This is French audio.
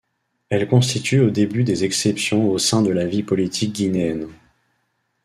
Elles constituent au début des exceptions au sein de la vie politique guinéenne.